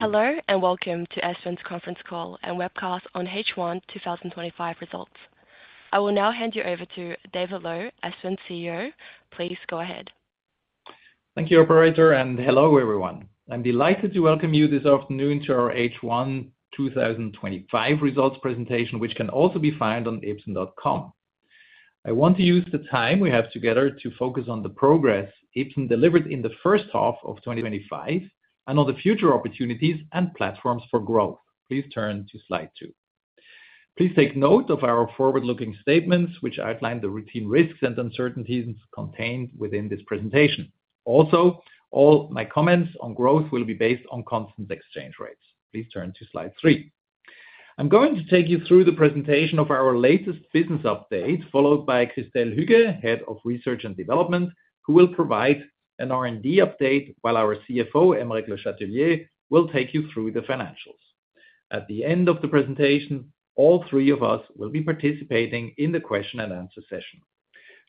Hello and welcome to Ipsen's conference call and webcast on H1 2025 results. I will now hand you over to David Loew, Ipsen CEO. Please go ahead. Thank you, Operator, and hello everyone. I'm delighted to welcome you this afternoon to our H1 2025 results presentation, which can also be found on ipsen.com. I want to use the time we have together to focus on the progress Ipsen delivered in the first half of 2025 and on the future opportunities and platforms for growth. Please turn to slide two. Please take note of our forward-looking statements, which outline the routine risks and uncertainties contained within this presentation. Also, all my comments on growth will be based on constant exchange rates. Please turn to slide three. I'm going to take you through the presentation of our latest business update, followed by Christelle Huguet, Head of Research and Development, who will provide an R&D update, while our CFO, Aymeric Le Chatelier, will take you through the financials. At the end of the presentation, all three of us will be participating in the question and answer session.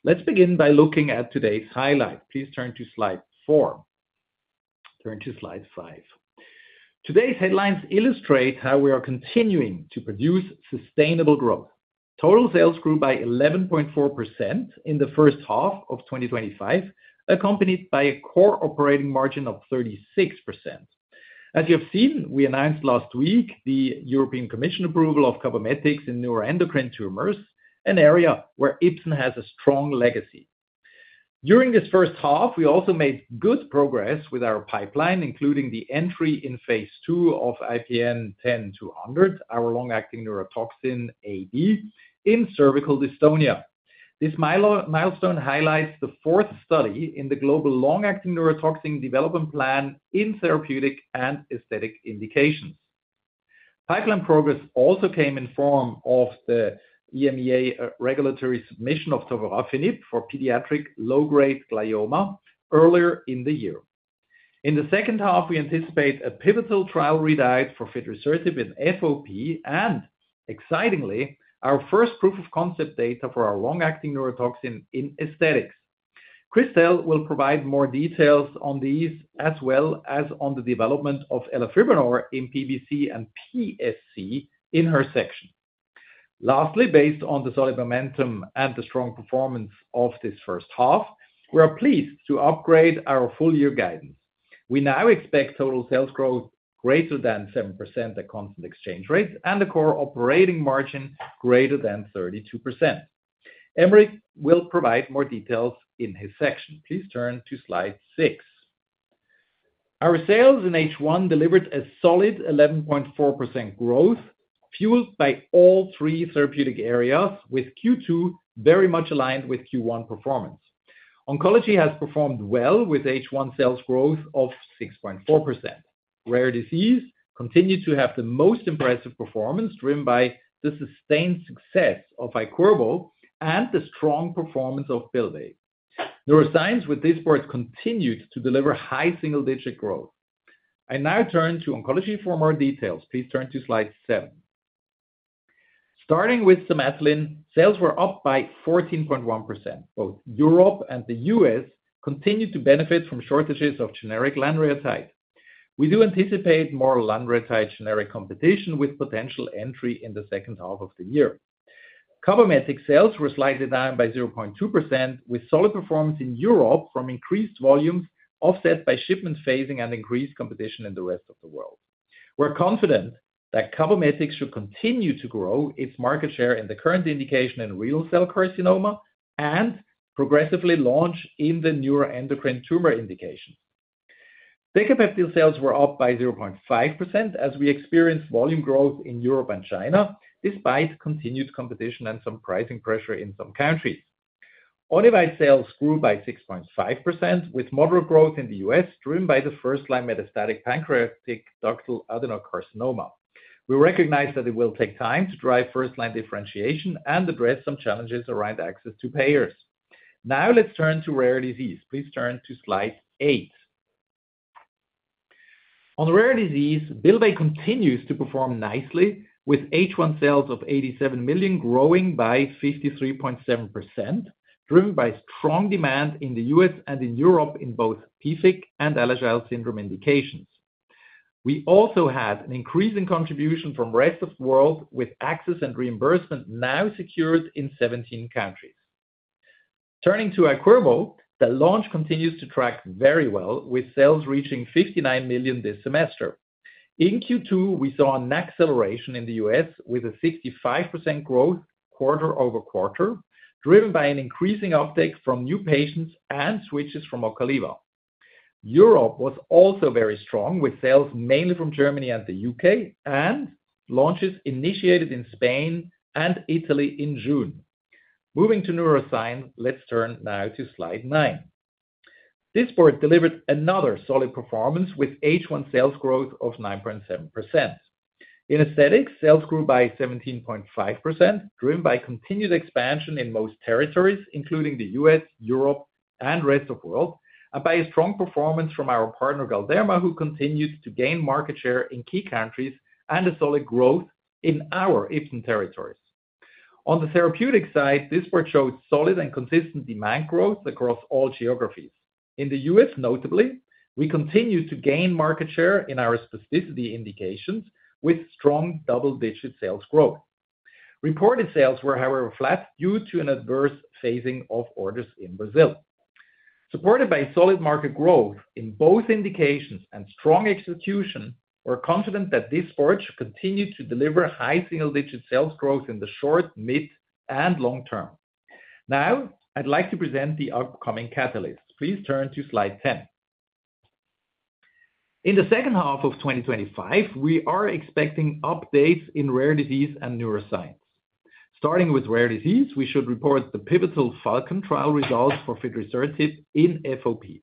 Let's begin by looking at today's highlight. Please turn to slide four. Turn to slide five. Today's headlines illustrate how we are continuing to produce sustainable growth. Total sales grew by 11.4% in the first half of 2025, accompanied by a core operating margin of 36%. As you have seen, we announced last week the European Commission approval of Cabometyx in neuroendocrine tumors, an area where Ipsen has a strong legacy. During this first half, we also made good progress with our pipeline, including the entry in phase II of IPN10200, our long-acting neurotoxin AD, in cervical dystonia. This milestone highlights the fourth study in the Global Long-Acting Neurotoxin Development Plan in therapeutic and aesthetic indications. Pipeline progress also came in the form of the EMEA regulatory submission of tovorafenib for pediatric low-grade glioma earlier in the year. In the second half, we anticipate a pivotal trial redirect for fidrisertib in FOP and, excitingly, our first proof-of-concept data for our long-acting neurotoxin in aesthetics. Christelle will provide more details on these as well as on the development of elafibranor in PBC and PSC in her section. Lastly, based on the solid momentum and the strong performance of this first half, we are pleased to upgrade our full-year guidance. We now expect total sales growth greater than 7% at constant exchange rates and a core operating margin greater than 32%. Aymeric will provide more details in his section. Please turn to slide six. Our sales in H1 delivered a solid 11.4% growth, fueled by all three therapeutic areas, with Q2 very much aligned with Q1 performance. Oncology has performed well with H1 sales growth of 6.4%. Rare disease continued to have the most impressive performance, driven by the sustained success of Iqirvo and the strong performance of Bylvay. Neuroscience with Dysport continued to deliver high single-digit growth. I now turn to oncology for more details. Please turn to slide seven. Starting with Somatuline, sales were up by 14.1%. Both Europe and the U.S. continued to benefit from shortages of generic lanreotide. We do anticipate more lanreotide generic competition with potential entry in the second half of the year. Cabometyx sales were slightly down by 0.2%, with solid performance in Europe from increased volumes offset by shipment phasing and increased competition in the rest of the world. We're confident that Cabometyx should continue to grow its market share in the current indication in renal cell carcinoma and progressively launch in the neuroendocrine tumor indications. Decapeptyl sales were up by 0.5% as we experienced volume growth in Europe and China, despite continued competition and some pricing pressure in some countries. Onivyde sales grew by 6.5%, with moderate growth in the U.S. driven by the first-line metastatic pancreatic ductal adenocarcinoma. We recognize that it will take time to drive first-line differentiation and address some challenges around access to payers. Now let's turn to rare disease. Please turn to slide eight. On rare disease, Bylvay continues to perform nicely, with H1 sales of $87 million growing by 53.7%, driven by strong demand in the U.S. and in Europe in both PFIC and Alagille syndrome indications. We also had an increasing contribution from the rest of the world, with access and reimbursement now secured in 17 countries. Turning to Iqirvo, the launch continues to track very well, with sales reaching $59 million this semester. In Q2, we saw an acceleration in the U.S. with a 65% growth quarter-over-quarter, driven by an increasing uptake from new patients and switches from Ocaliva. Europe was also very strong, with sales mainly from Germany and the U.K., and launches initiated in Spain and Italy in June. Moving to neuroscience, let's turn now to slide nine. Dysport delivered another solid performance with H1 sales growth of 9.7%. In aesthetics, sales grew by 17.5%, driven by continued expansion in most territories, including the U.S., Europe, and rest of the world, and by a strong performance from our partner Galderma, who continued to gain market share in key countries and solid growth in our Ipsen territories. On the therapeutic side, Dysport showed solid and consistent demand growth across all geographies. In the U.S., notably, we continued to gain market share in our specificity indications with strong double-digit sales growth. Reported sales were, however, flat due to an adverse phasing of orders in Brazil. Supported by solid market growth in both indications and strong execution, we're confident that Dysport should continue to deliver high single-digit sales growth in the short, mid, and long term. Now, I'd like to present the upcoming catalysts. Please turn to slide 10. In the second half of 2025, we are expecting updates in rare disease and neuroscience. Starting with rare disease, we should report the pivotal FALKON trial results for fidrisertib in FOP.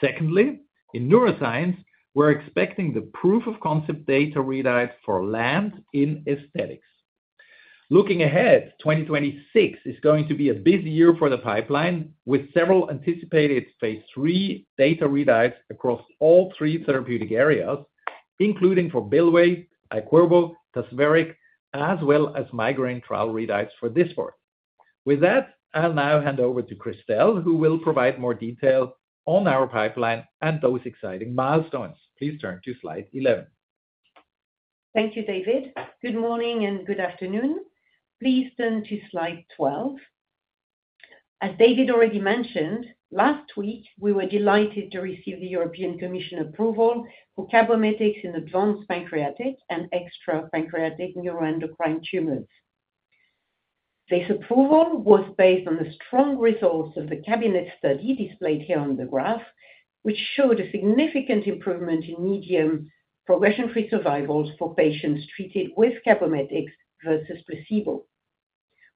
Secondly, in neuroscience, we're expecting the proof-of-concept data readout for LANT in aesthetics. Looking ahead, 2026 is going to be a busy year for the pipeline, with several phase III data readouts across all three therapeutic areas, including for Bylvay, Iqirvo, Tazverik, as well as migraine trial readouts for Dysport. With that, I'll now hand over to Christelle, who will provide more detail on our pipeline and those exciting milestones. Please turn to slide 11. Thank you, David. Good morning and good afternoon. Please turn to slide 12. As David already mentioned, last week, we were delighted to receive the European Commission approval for Cabometyx in advanced pancreatic and extrapancreatic neuroendocrine tumors. This approval was based on the strong results of the CABINET study displayed here on the graph, which showed a significant improvement in median progression-free survival for patients treated with Cabometyx versus placebo.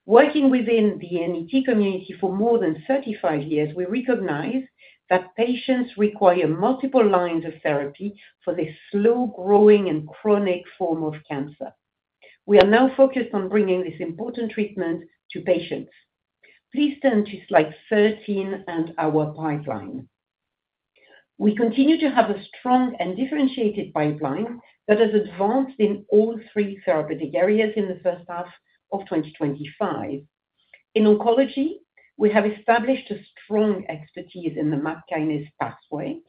Working within the NET community for more than 35 years, we recognize that patients require multiple lines of therapy for this slow-growing and chronic form of cancer. We are now focused on bringing this important treatment to patients. Please turn to slide 13 and our pipeline. We continue to have a strong and differentiated pipeline that has advanced in all three therapeutic areas in the first half of 2025. In oncology, we have established a strong expertise in the MAPK kinase pathway,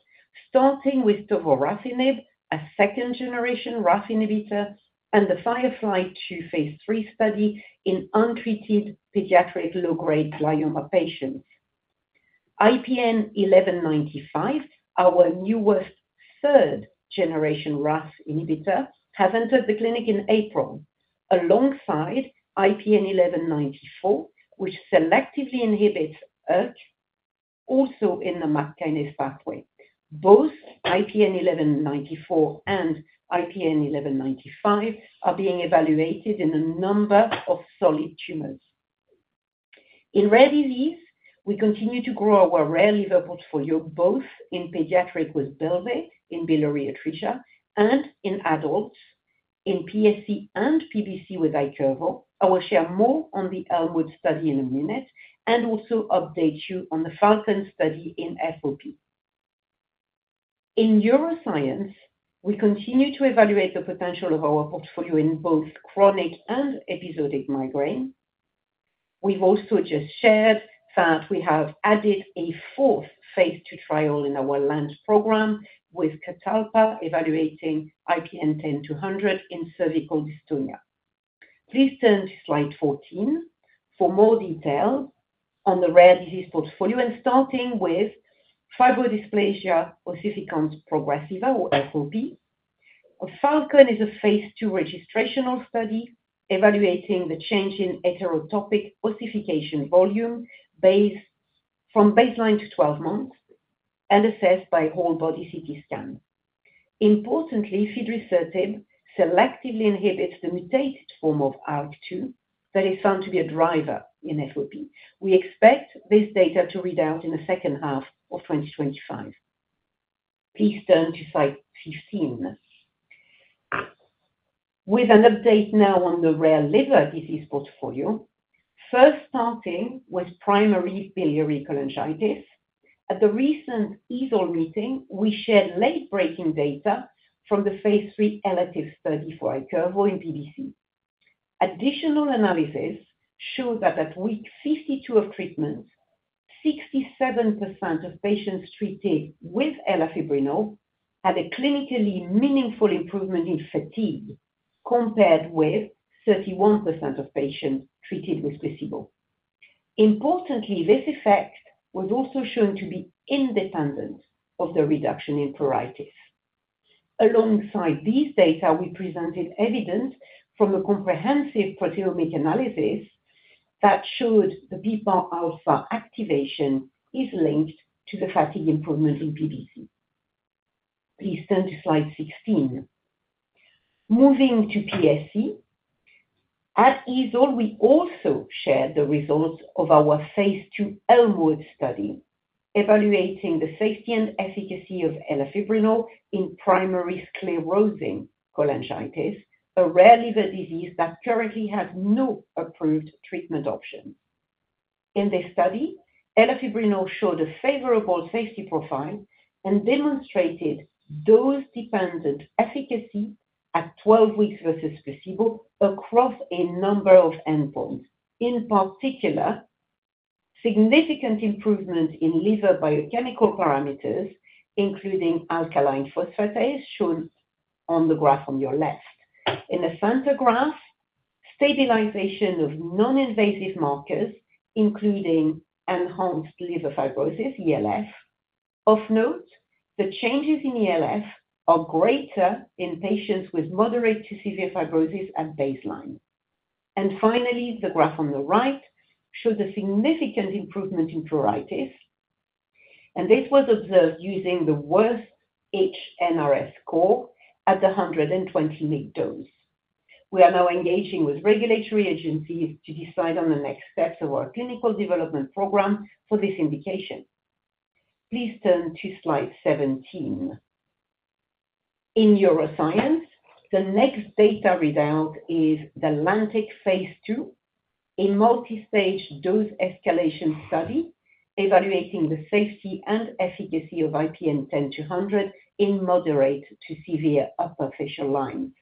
starting with tovorafenib, a second-generation RAF inhibitor, and the FIREFLY-2 phase III study in untreated pediatric low-grade glioma patients. IP1195, our newest third-generation RAF inhibitor, has entered the clinic in April. Alongside IPN1194, which selectively inhibits ERK, also in the MAPK kinase pathway. Both IPN1194 and IPN1195 are being evaluated in a number of solid tumors. In rare disease, we continue to grow our rare liver portfolio, both in pediatric with Bylvay in biliary atresia and in adults in PSC and PBC with Iqirvo. I will share more on the ELMWOOD study in a minute and also update you on the FALKON study in FOP. In neuroscience, we continue to evaluate the potential of our portfolio in both chronic and episodic migraine. We've also just shared that we have added a fourth phase II trial in our LANT program with CATALPA evaluating IPN10200 in cervical dystonia. Please turn to slide 14 for more details on the rare disease portfolio, starting with fibrodysplasia ossificans progressiva, FOP. FALKON is a phase II registrational study evaluating the change in heterotopic ossification volume from baseline to 12 months and assessed by whole body CT scan. Importantly, fidrisertib selectively inhibits the mutated form of ALK2 that is found to be a driver in FOP. We expect this data to read out in the second half of 2025. Please turn to slide 15. With an update now on the rare liver disease portfolio, first starting with primary biliary cholangitis. At the recent EASL meeting, we shared late-breaking data from phase III elative study for Iqirvo in PBC. Additional analysis showed that at week 52 of treatment, 67% of patients treated with elafibranor had a clinically meaningful improvement in fatigue compared with 31% of patients treated with placebo. Importantly, this effect was also shown to be independent of the reduction in pruritus. Alongside these data, we presented evidence from a comprehensive proteomic analysis that showed that PPAR-alpha activation is linked to the fatigue improvement in PBC. Please turn to slide 16. Moving to PSC. At EASL, we also shared the results of phase II ELMWOOD study evaluating the safety and efficacy of elafibranor in primary sclerosing cholangitis, a rare liver disease that currently has no approved treatment options. In this study, elafibranor showed a favorable safety profile and demonstrated dose-dependent efficacy at 12 weeks versus placebo across a number of endpoints. In particular, there was significant improvement in liver biochemical parameters, including alkaline phosphatase, shown on the graph on your left. In the center graph, there was stabilization of non-invasive markers, including enhanced liver fibrosis, ELF. Of note, the changes in ELF are greater in patients with moderate to severe fibrosis at baseline. Finally, the graph on the right showed a significant improvement in pruritus. This was observed using the worst HNRS score at the 120 mg dose. We are now engaging with regulatory agencies to decide on the next steps of our clinical development program for this indication. Please turn to slide 17. In neuroscience, the next data readout is the LANTIC phase II, a multi-stage dose escalation study evaluating the safety and efficacy of IPN10200 in moderate to severe upper facial lines.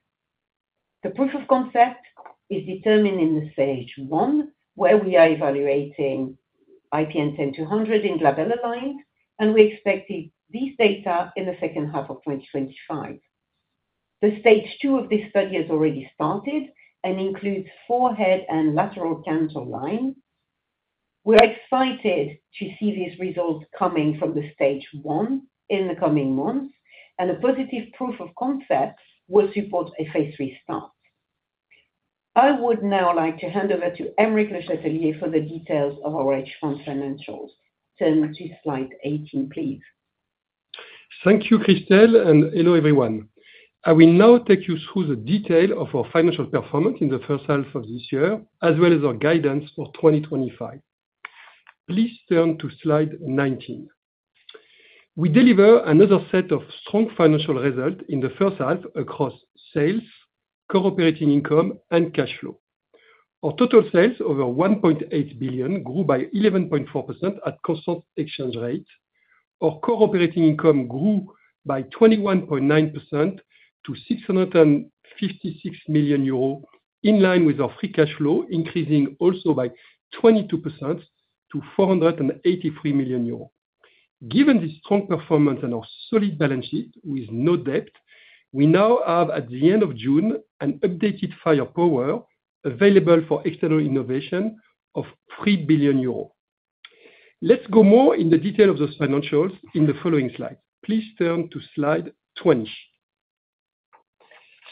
The proof of concept is determined in stage one, where we are evaluating IPN10200 in glabellar lines, and we expect these data in the second half of 2025. Stage two of this study has already started and includes forehead and lateral canthal line. We're excited to see these results coming from stage one in the coming months, and a positive proof of concept will support phase III start. I would now like to hand over to Aymeric Le Chatelier for the details of our H1 financials. Turn to slide 18, please. Thank you, Christelle, and hello, everyone. I will now take you through the detail of our financial performance in the first half of this year, as well as our guidance for 2025. Please turn to slide 19. We deliver another set of strong financial results in the first half across sales, core operating income, and cash flow. Our total sales over 1.8 billion grew by 11.4% at constant exchange rate. Our core operating income grew by 21.9% to 656 million euros, in line with our free cash flow, increasing also by 22% to 483 million euros. Given this strong performance and our solid balance sheet with no debt, we now have, at the end of June, an updated firepower available for external innovation of 3 billion euros. Let's go more in the detail of those financials in the following slides. Please turn to slide 20.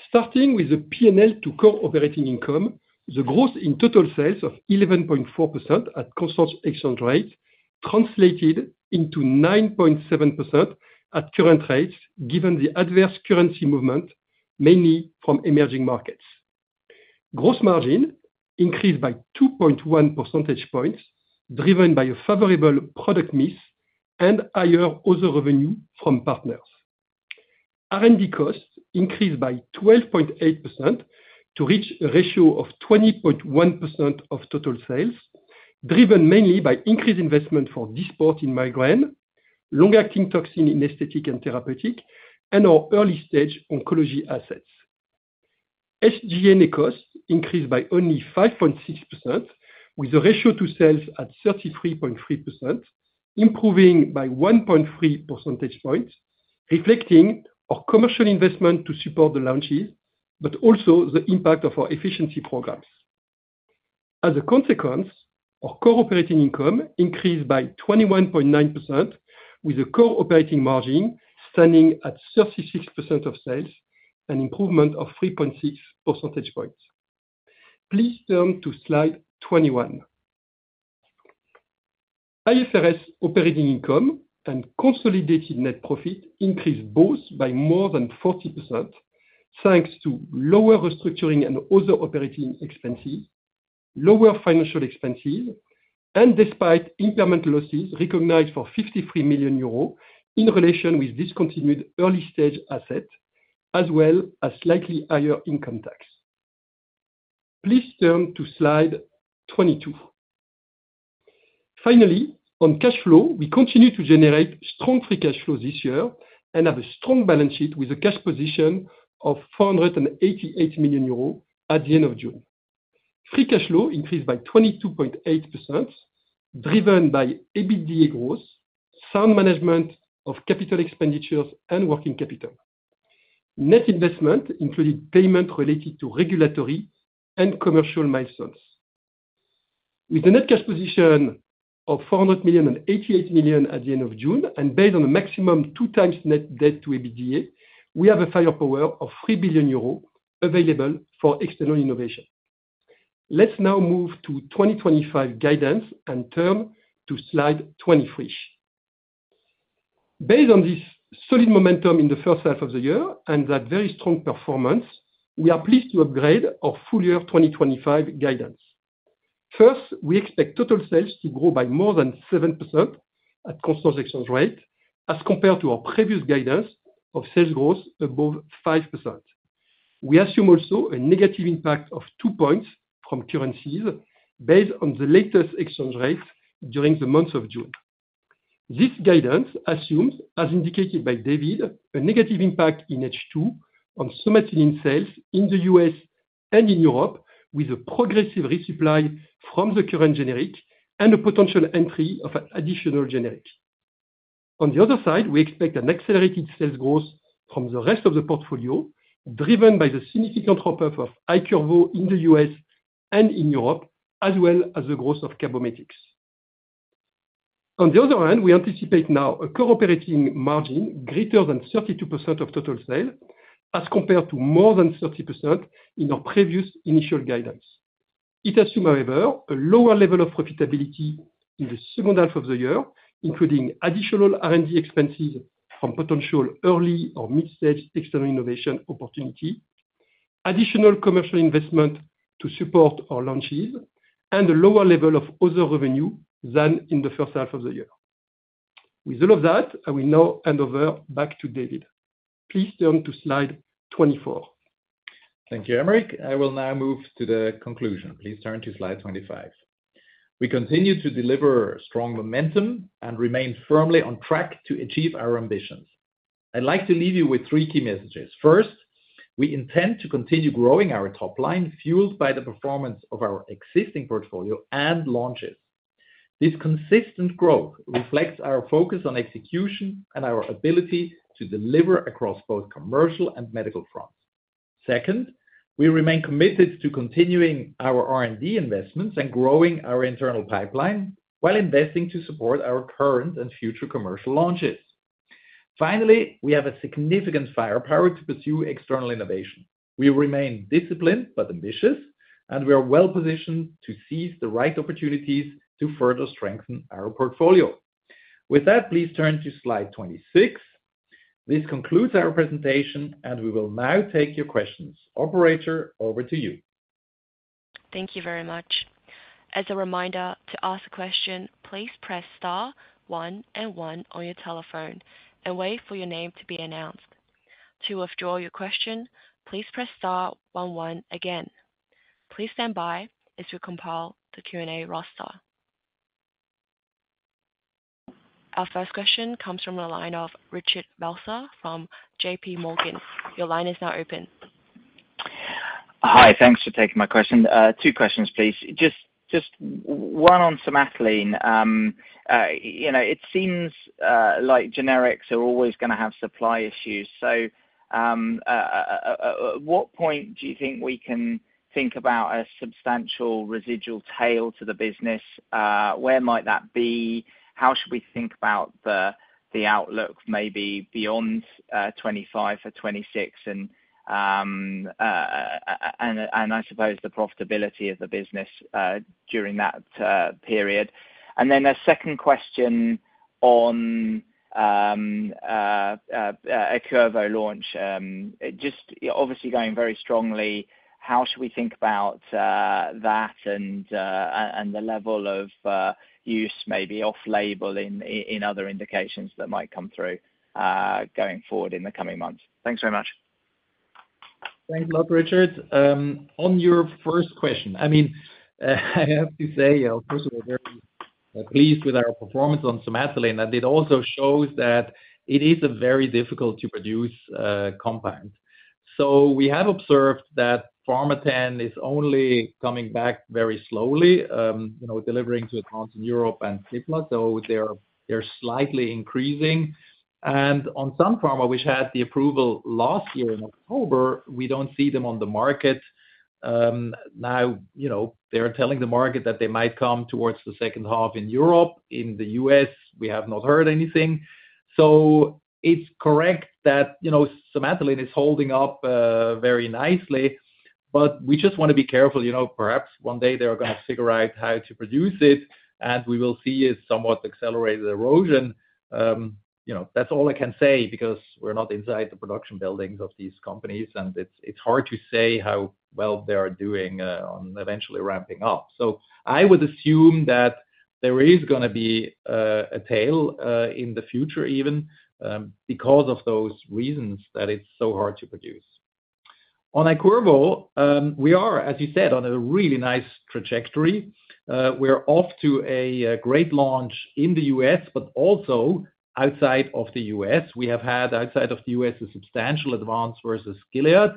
Starting with the P&L to core operating income, the growth in total sales of 11.4% at constant exchange rate translated into 9.7% at current rates, given the adverse currency movement, mainly from emerging markets. Gross margin increased by 2.1 percentage points, driven by a favorable product mix and higher order revenue from partners. R&D costs increased by 12.8% to reach a ratio of 20.1% of total sales, driven mainly by increased investment for Dysport in migraine, long-acting toxin in aesthetic and therapeutic, and our early-stage oncology assets. SG&A costs increased by only 5.6%, with a ratio to sales at 33.3%, improving by 1.3 percentage points, reflecting our commercial investment to support the launches, but also the impact of our efficiency programs. As a consequence, our core operating income increased by 21.9%, with a core operating margin standing at 36% of sales, an improvement of 3.6 percentage points. Please turn to slide 21. IFRS operating income and consolidated net profit increased both by more than 40%, thanks to lower restructuring and other operating expenses, lower financial expenses, and despite impairment losses recognized for 53 million euros in relation with discontinued early-stage assets, as well as slightly higher income tax. Please turn to slide 22. Finally, on cash flow, we continue to generate strong free cash flow this year and have a strong balance sheet with a cash position of 488 million euros at the end of June. Free cash flow increased by 22.8%, driven by EBITDA growth, sound management of capital expenditures, and working capital. Net investment included payment related to regulatory and commercial milestones. With a net cash position of 488 million at the end of June, and based on a maximum two-times net debt to EBITDA, we have a firepower of 3 billion euros available for external innovation. Let's now move to 2025 guidance and turn to slide 23. Based on this solid momentum in the first half of the year and that very strong performance, we are pleased to upgrade our full year 2025 guidance. First, we expect total sales to grow by more than 7% at constant exchange rate as compared to our previous guidance of sales growth above 5%. We assume also a negative impact of two points from currencies based on the latest exchange rates during the month of June. This guidance assumes, as indicated by David, a negative impact in H2 on Somatuline sales in the U.S. and in Europe, with a progressive resupply from the current generic and a potential entry of an additional generic. On the other side, we expect an accelerated sales growth from the rest of the portfolio, driven by the significant rollback of Iqirvo in the U.S. and in Europe, as well as the growth of Cabometyx. On the other hand, we anticipate now a core operating margin greater than 32% of total sales as compared to more than 30% in our previous initial guidance. It assumes, however, a lower level of profitability in the second half of the year, including additional R&D expenses from potential early or mid-stage external innovation opportunity, additional commercial investment to support our launches, and a lower level of other revenue than in the first half of the year. With all of that, I will now hand over back to David. Please turn to slide 24. Thank you, Aymeric. I will now move to the conclusion. Please turn to slide 25. We continue to deliver strong momentum and remain firmly on track to achieve our ambitions. I'd like to leave you with three key messages. First, we intend to continue growing our top line, fueled by the performance of our existing portfolio and launches. This consistent growth reflects our focus on execution and our ability to deliver across both commercial and medical fronts. Second, we remain committed to continuing our R&D investments and growing our internal pipeline while investing to support our current and future commercial launches. Finally, we have significant firepower to pursue external innovation. We remain disciplined but ambitious, and we are well positioned to seize the right opportunities to further strengthen our portfolio. With that, please turn to slide 26. This concludes our presentation, and we will now take your questions. Operator, over to you. Thank you very much. As a reminder, to ask a question, please press star one and one on your telephone and wait for your name to be announced. To withdraw your question, please press star one one again. Please stand by as we compile the Q&A roster. Our first question comes from the line of Richard Vosser from JPMorgan. Your line is now open. Hi, thanks for taking my question. Two questions, please. One on Somatuline. It seems like generics are always going to have supply issues. At what point do you think we can think about a substantial residual tail to the business? Where might that be? How should we think about the outlook, maybe beyond 2025 or 2026? I suppose the profitability of the business during that period. Then a second question on Iqirvo launch. Obviously going very strongly, how should we think about that and the level of use, maybe off-label in other indications that might come through going forward in the coming months? Thanks very much. Thanks a lot, Richard. On your first question, I have to say, first of all, very pleased with our performance on Somatuline. It also shows that it is very difficult to produce compounds. We have observed that Pharmathen is only coming back very slowly, delivering to accounts in Europe and Cipla. They are slightly increasing. On some pharma, which had the approval last year in October, we do not see them on the market now. They are telling the market that they might come towards the second half in Europe. In the U.S., we have not heard anything. It is correct that Somatuline is holding up very nicely, but we just want to be careful. Perhaps one day they are going to figure out how to produce it, and we will see a somewhat accelerated erosion. That is all I can say because we are not inside the production buildings of these companies, and it is hard to say how well they are doing on eventually ramping up. I would assume that there is going to be a tail in the future, even because of those reasons that it is so hard to produce. On Iqirvo, we are, as you said, on a really nice trajectory. We are off to a great launch in the U.S., but also outside of the U.S. We have had, outside of the U.S., a substantial advance versus Gilead.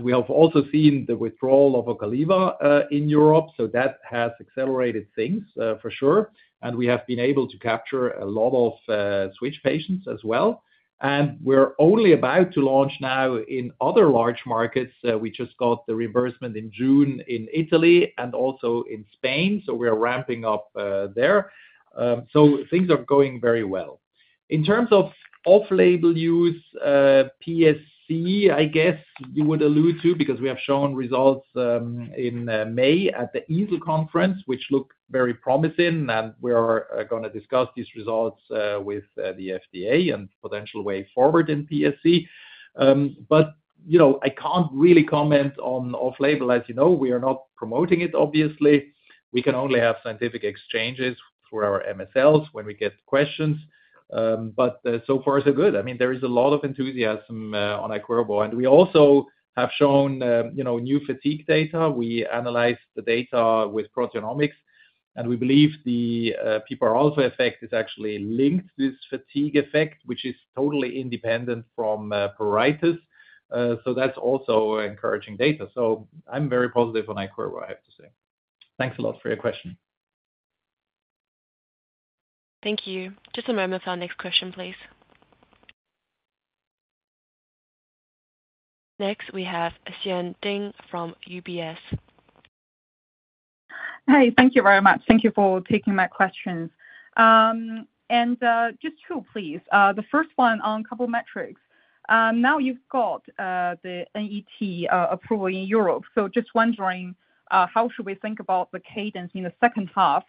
We have also seen the withdrawal of Ocaliva in Europe. That has accelerated things, for sure. We have been able to capture a lot of switch patients as well. We are only about to launch now in other large markets. We just got the reimbursement in June in Italy and also in Spain. We are ramping up there. Things are going very well. In terms of off-label use, PSC, I guess you would allude to, because we have shown results in May at the EASL conference, which look very promising. We are going to discuss these results with the FDA and potential way forward in PSC. I cannot really comment on off-label, as you know. We are not promoting it, obviously. We can only have scientific exchanges through our MSLs when we get questions. So far so good. There is a lot of enthusiasm on Iqirvo. We also have shown new fatigue data. We analyzed the data with proteomics, and we believe the PPAR-alpha effect is actually linked to this fatigue effect, which is totally independent from pruritus. That is also encouraging data. I am very positive on Iqirvo, I have to say. Thanks a lot for your question. Thank you. Just a moment for our next question, please. Next, we have Xian Deng from UBS. Thank you very much. Thank you for taking my questions. Just two, please. The first one on a couple of metrics. Now you've got the NET approval in Europe. How should we think about the cadence in the second half?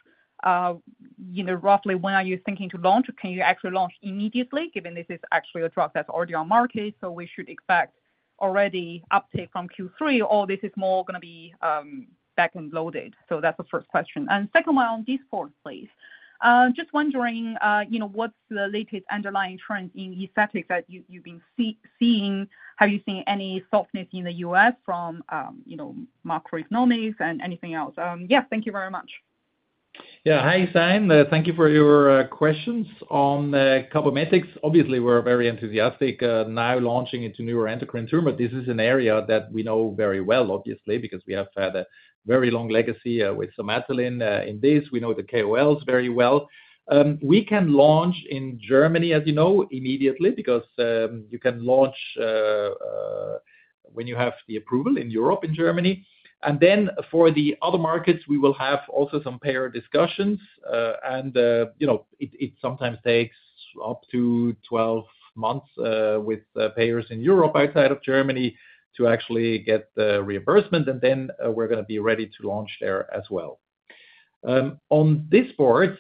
Roughly, when are you thinking to launch? Can you actually launch immediately, given this is actually a drug that's already on market? Should we expect already uptake from Q3, or is this more going to be back and loaded? That's the first question. Second one on Dysport, please. What's the latest underlying trend in aesthetics that you've been seeing? Have you seen any softness in the U.S. from macroeconomics and anything else? Yes, thank you very much. Yeah, hi, Xian. Thank you for your questions on Cabometyx. Obviously, we're very enthusiastic now launching into neuroendocrine tumor. This is an area that we know very well, obviously, because we have had a very long legacy with Somatuline in this. We know the KOLs very well. We can launch in Germany, as you know, immediately, because you can launch when you have the approval in Europe, in Germany. For the other markets, we will have also some payer discussions. It sometimes takes up to 12 months with payers in Europe outside of Germany to actually get the reimbursement. We're going to be ready to launch there as well. On Dysport,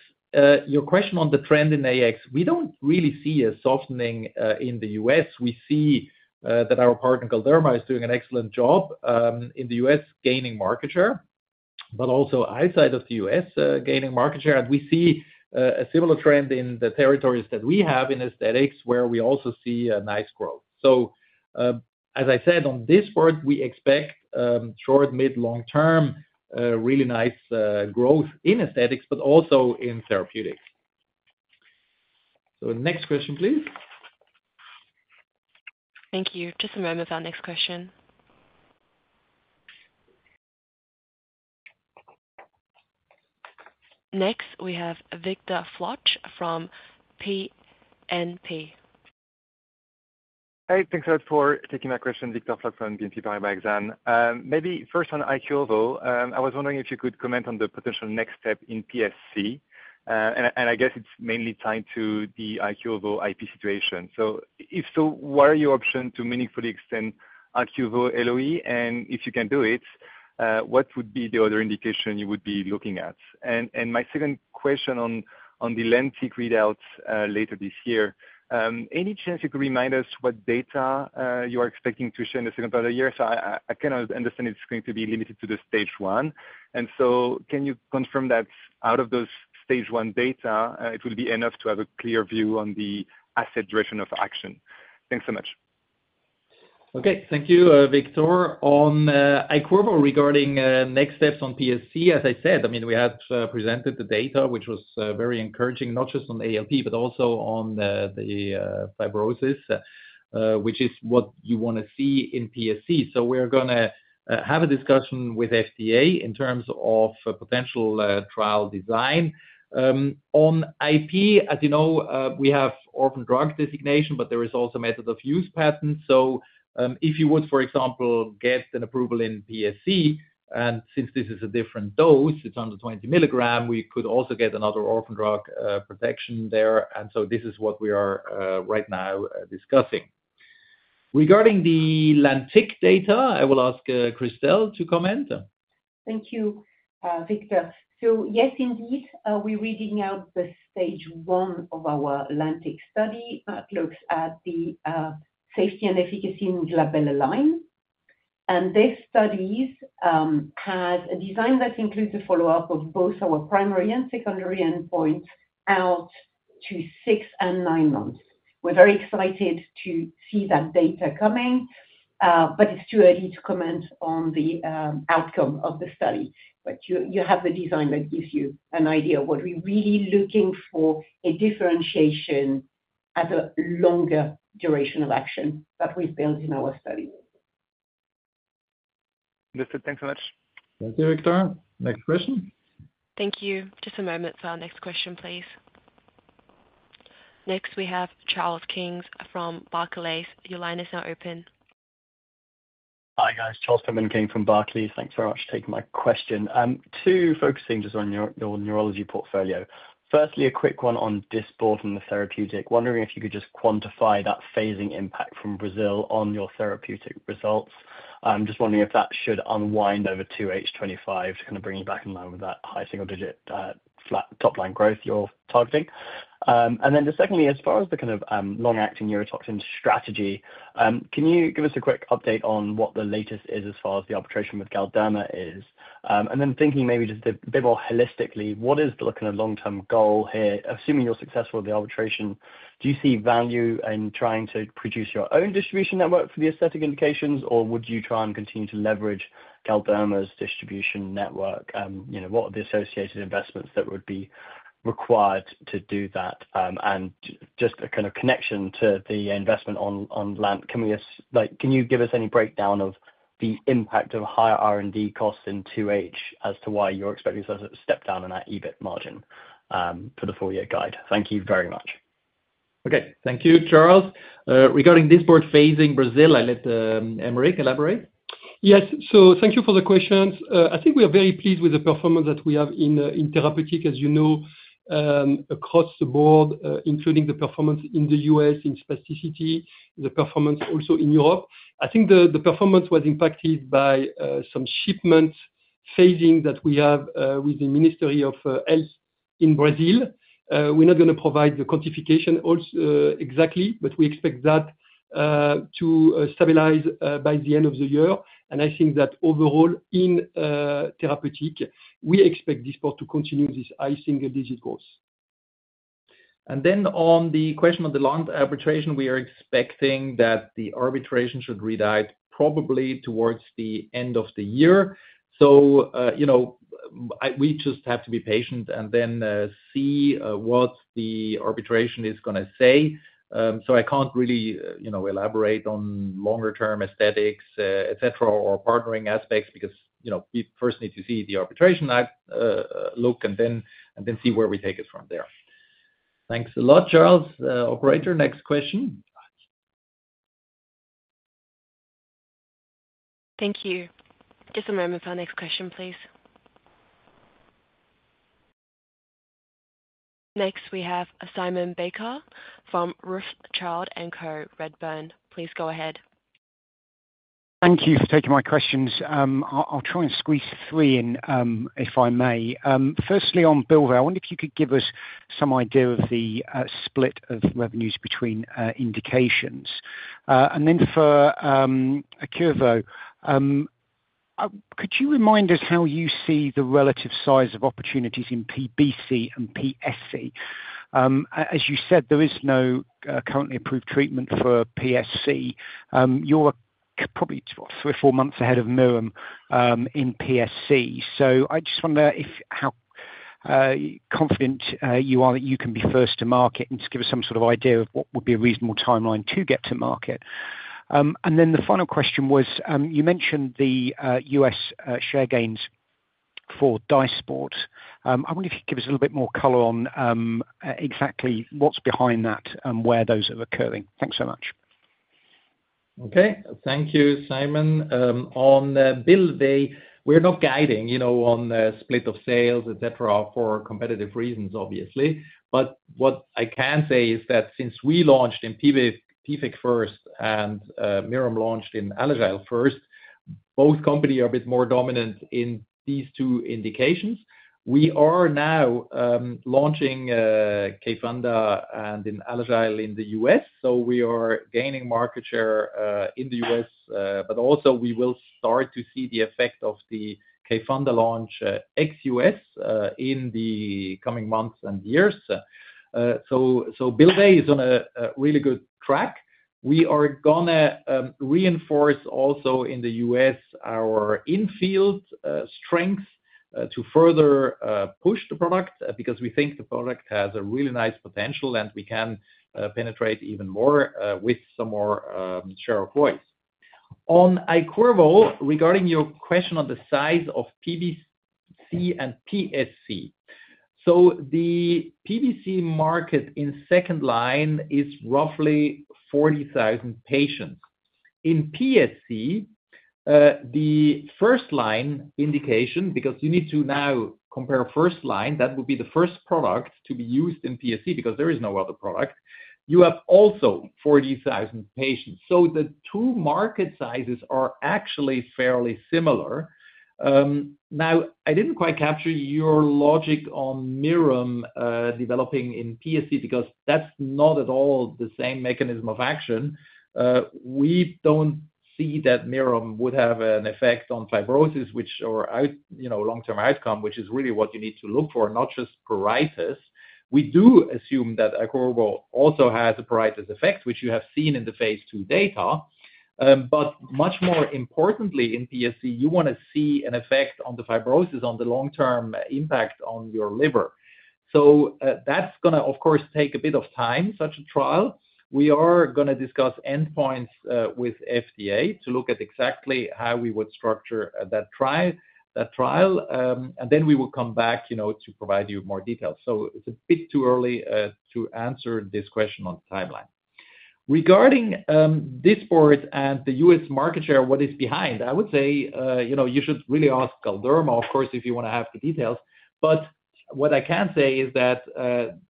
your question on the trend in AX, we don't really see a softening in the U.S. We see that our partner, Galderma, is doing an excellent job in the U.S., gaining market share, but also outside of the U.S., gaining market share. We see a similar trend in the territories that we have in aesthetics, where we also see a nice growth. As I said, on Dysport, we expect short, mid, long-term really nice growth in aesthetics, but also in therapeutics. Next question, please. Thank you. Just a moment for our next question. Next, we have Victor Floc'h from BNP. Hey, thanks a lot for taking my question, Victor Floc'h from BNP Paribas Exane. Maybe first on Iqirvo, I was wondering if you could comment on the potential next step in PSC. I guess it's mainly tied to the Iqirvo IP situation. If so, what are your options to meaningfully extend Iqirvo LOE? If you can do it, what would be the other indication you would be looking at? My second question on the LANTIC` readouts later this year, any chance you could remind us what data you are expecting to share in the second part of the year? I understand it's going to be limited to the stage one. Can you confirm that out of those stage one data, it will be enough to have a clear view on the asset direction of action? Thanks so much. Okay, thank you, Victor. On Iqirvo regarding next steps on PSC, as I said, we have presented the data, which was very encouraging, not just on ALP, but also on the fibrosis, which is what you want to see in PSC. We are going to have a discussion with the FDA in terms of potential trial design. On IP, as you know, we have orphan drug designation, but there is also method of use patent. If you would, for example, get an approval in PSC, and since this is a different dose, it's under 20 mg, we could also get another orphan drug protection there. This is what we are right now discussing. Regarding the LANTIC data, I will ask Christelle to comment. Thank you, Victor. Yes, indeed, we're reading out the stage one of our LANTIC study that looks at the safety and efficacy in glabellar line. This study has a design that includes a follow-up of both our primary and secondary endpoints out to six and nine months. We're very excited to see that data coming. It's too early to comment on the outcome of the study. You have the design that gives you an idea of what we're really looking for, a differentiation at a longer duration of action that we've built in our study. Thanks so much. Thank you, Victor. Next question. Thank you. Just a moment for our next question, please. Next, we have Charles Pitman from Barclays. Your line is now open. Hi guys, Charles Pitman-King from Barclays. Thanks very much for taking my question. Two focusing just on your neurology portfolio. Firstly, a quick one on Dysport and the therapeutic. Wondering if you could just quantify that phasing impact from Brazil on your therapeutic results. I'm just wondering if that should unwind over to H2 2025 to kind of bring you back in line with that high single-digit flat top line growth you're targeting. Secondly, as far as the kind of long-acting neurotoxin strategy, can you give us a quick update on what the latest is as far as the arbitration with Galderma is? Thinking maybe just a bit more holistically, what is the kind of long-term goal here? Assuming you're successful with the arbitration, do you see value in trying to produce your own distribution network for the aesthetic indications, or would you try and continue to leverage Galderma's distribution network? What are the associated investments that would be required to do that? Just a kind of connection to the investment on LANT, can you give us any breakdown of the impact of higher R&D costs in 2H as to why you're expecting such a step down in that EBIT margin for the full-year guide? Thank you very much. Okay, thank you, Charles. Regarding Dysport phasing in Brazil, I'll let Aymeric elaborate. Yes, so thank you for the questions. I think we are very pleased with the performance that we have in therapeutic, as you know, across the board, including the performance in the U.S. in spasticity, the performance also in Europe. I think the performance was impacted by some shipment phasing that we have with the Ministry of Health in Brazil. We're not going to provide the quantification exactly, but we expect that to stabilize by the end of the year. I think that overall in therapeutic, we expect Dysport to continue this high single-digit growth. On the question of the long arbitration, we are expecting that the arbitration should read out probably towards the end of the year. We just have to be patient and then see what the arbitration is going to say. I can't really elaborate on longer-term aesthetics, etc., or partnering aspects because we first need to see the arbitration look and then see where we take it from there. Thanks a lot, Charles. Operator, next question. Thank you. Just a moment for our next question, please. Next, we have Simon Baker from Rothschild & Co Redburn. Please go ahead. Thank you for taking my questions. I'll try and squeeze three in if I may. Firstly, on Bylvay, I wonder if you could give us some idea of the split of revenues between indications. For Iqirvo, could you remind us how you see the relative size of opportunities in PBC and PSC? As you said, there is no currently approved treatment for PSC. You're probably three or four months ahead of Mirum in PSC. I just wonder how confident you are that you can be first to market and just give us some sort of idea of what would be a reasonable timeline to get to market. The final question was, you mentioned the U.S. share gains for Dysport. I wonder if you could give us a little bit more color on exactly what's behind that and where those are occurring. Thanks so much. Okay, thank you, Simon. On Bylvay, we're not guiding on split of sales, etc., for competitive reasons, obviously. What I can say is that since we launched in PFIC first and Mirum launched in Alagille first, both companies are a bit more dominant in these two indications. We are now launching Iqirvo in Alagille in the U.S. We are gaining market share in the U.S., but also we will start to see the effect of the Iqirvo launch ex-U.S. in the coming months and years. Bylvay is on a really good track. We are going to reinforce also in the U.S. our in-field strengths to further push the product because we think the product has a really nice potential and we can penetrate even more with some more share of voice. On Iqirvo, regarding your question on the size of PBC and PSC, the PBC market in second line is roughly 40,000 patients. In PSC, the first line indication, because you need to now compare first line, that would be the first product to be used in PSC because there is no other product. You have also 40,000 patients. The two market sizes are actually fairly similar. I didn't quite capture your logic on Mirum developing in PSC because that's not at all the same mechanism of action. We don't see that Mirum would have an effect on fibrosis or long-term outcome, which is really what you need to look for, not just pruritus. We do assume that Iqirvo also has a pruritus effect, which you have seen in phase II data. Much more importantly, in PSC, you want to see an effect on the fibrosis on the long-term impact on your liver. That's going to, of course, take a bit of time, such a trial. We are going to discuss endpoints with FDA to look at exactly how we would structure that trial. We will come back to provide you more details. It's a bit too early to answer this question on timeline. Regarding Dysport and the U.S. market share, what is behind, I would say you should really ask Galderma, of course, if you want to have the details. What I can say is that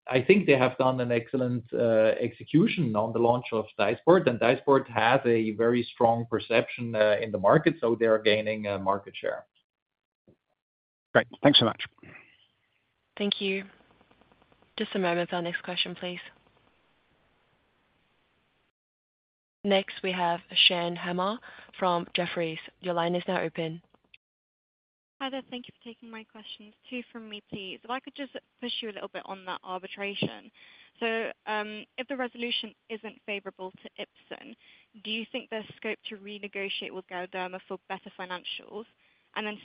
I think they have done an excellent execution on the launch of Dysport. Dysport has a very strong perception in the market, so they are gaining market share. Great, thanks so much. Thank you. Just a moment for our next question, please. Next, we have Shan Hama from Jefferies. Your line is now open. Hi there. Thank you for taking my questions. Two from me, please. If I could just push you a little bit on that arbitration. If the resolution isn't favorable to Ipsen, do you think there's scope to renegotiate with Galderma for better financials?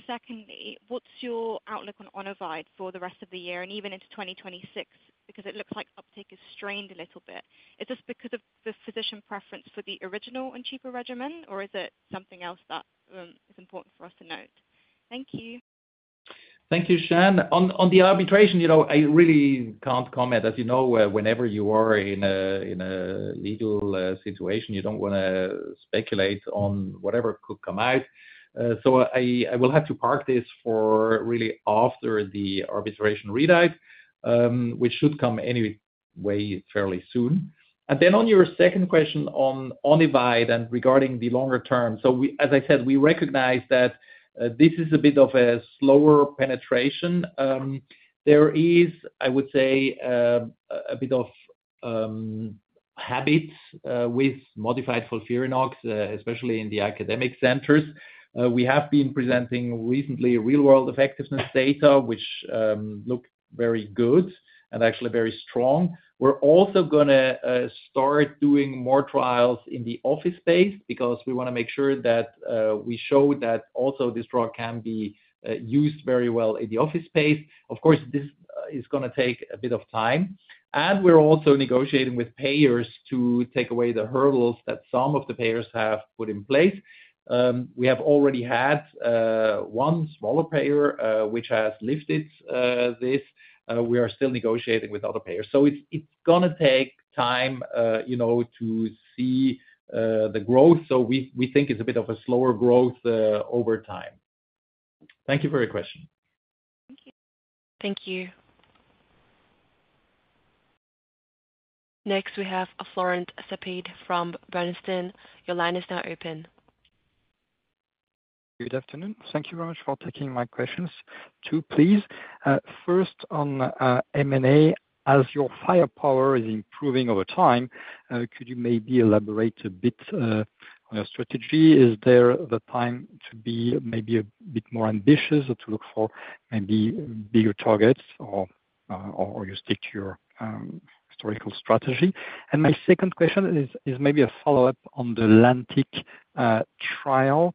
Secondly, what's your outlook on Onivyde for the rest of the year and even into 2026? It looks like uptake is strained a little bit. Is this because of the physician preference for the original and cheaper regimen, or is it something else that is important for us to note? Thank you. Thank you, Shan. On the arbitration, I really can't comment. As you know, whenever you are in a legal situation, you don't want to speculate on whatever could come out. I will have to park this for really after the arbitration readout, which should come anyway fairly soon. On your second question on Onivyde and regarding the longer term, as I said, we recognize that this is a bit of a slower penetration. There is, I would say, a bit of habit with modified folfirinox, especially in the academic centers. We have been presenting recently real-world effectiveness data, which look very good and actually very strong. We're also going to start doing more trials in the office space because we want to make sure that we show that also this drug can be used very well in the office space. Of course, this is going to take a bit of time. We're also negotiating with payers to take away the hurdles that some of the payers have put in place. We have already had one smaller payer which has lifted this. We are still negotiating with other payers. It's going to take time to see the growth. We think it's a bit of a slower growth over time. Thank you for your question. Thank you. Thank you. Next, we have Florent Cespedes from Bernstein. Your line is now open. Good afternoon. Thank you very much for taking my questions too, please. First, on M&A, as your firepower is improving over time, could you maybe elaborate a bit on your strategy? Is there the time to be maybe a bit more ambitious or to look for maybe bigger targets, or do you stick to your historical strategy? My second question is maybe a follow-up on the LANTIC trial.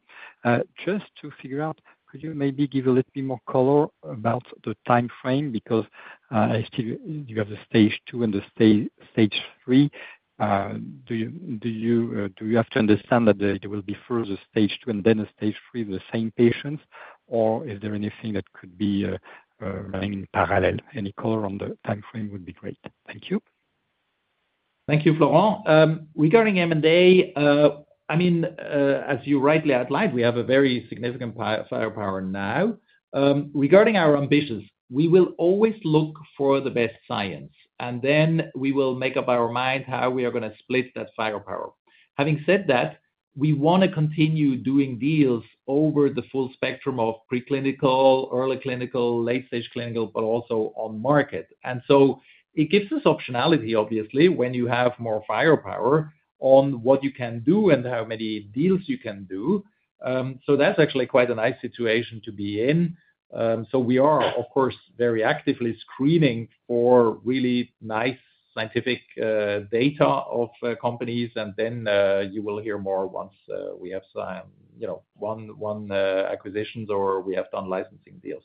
Just to figure out, could you maybe give a little bit more color about the timeframe? Because you have the stage two and the stage three. Do I have to understand that there will be first a stage two and then a stage three of the same patients, or is there anything that could be running in parallel? Any color on the timeframe would be great. Thank you. Thank you, Florent. Regarding M&A, as you rightly outlined, we have a very significant firepower now. Regarding our ambitions, we will always look for the best science, and then we will make up our mind how we are going to split that firepower. Having said that, we want to continue doing deals over the full spectrum of preclinical, early clinical, late-stage clinical, but also on market. It gives us optionality, obviously, when you have more firepower on what you can do and how many deals you can do. That's actually quite a nice situation to be in. We are, of course, very actively screening for really nice scientific data of companies, and you will hear more once we have done one acquisition or we have done licensing deals.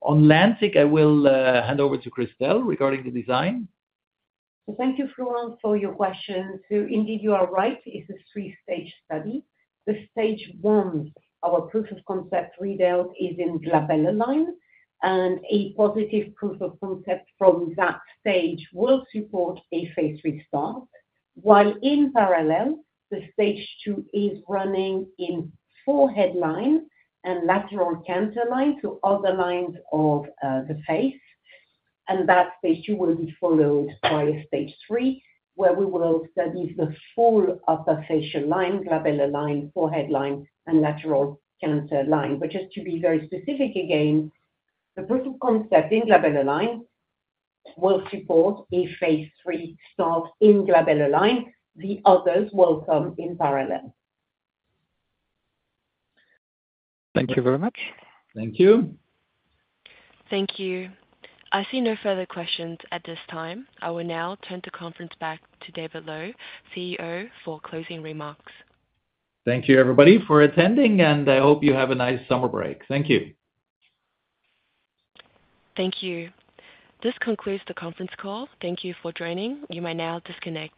On LANTIC, I will hand over to Christelle regarding the design. Thank you, Florent, for your question. Indeed, you are right. It's a three-stage study. Stage one, our proof-of-concept readout, is in glabellar line, and a positive proof-of-concept from that stage will support phase III start. In parallel, stage two is running in forehead line and lateral canthal line, two other lines of the face. That stage two will be followed by stage three, where we will study the full upper facial line, glabellar line, forehead line, and lateral canthal line. Just to be very specific again, the proof-of-concept in glabellar line will support phase III start in glabellar line. The others will come in parallel. Thank you very much. Thank you. Thank you. I see no further questions at this time. I will now turn the conference back to David Loew, CEO, for closing remarks. Thank you, everybody, for attending, and I hope you have a nice summer break. Thank you. Thank you. This concludes the conference call. Thank you for joining. You may now disconnect.